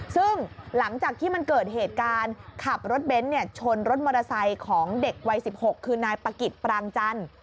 ซึ่งหลังจากที่มันเกิดเหตุการณ์ขับรถเบนท์ชนรถมอเตอร์ไซค์ของเด็กวัย๑๖คือนายปะกิจปรางจันทร์